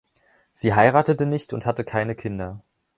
Sie heiratete nicht und hatte keine Kinder.